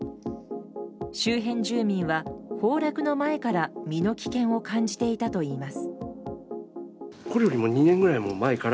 周辺住民は、崩落の前から身の危険を感じていたといいます。